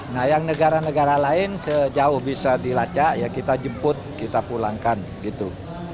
nah yang negara negara lain sejauh bisa dilacak ya kita jemput kita pulangkan gitu